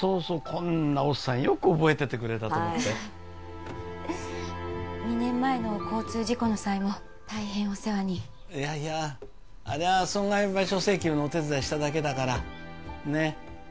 こんなオッサンよく覚えててくれたと思って２年前の交通事故の際も大変お世話にいやいやあれは損害賠償請求のお手伝いしただけだからねえ